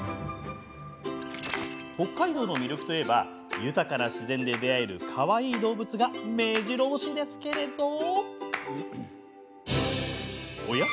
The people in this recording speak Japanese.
北海道の魅力といえば豊かな自然で出会えるかわいい動物がめじろ押しですけどおや？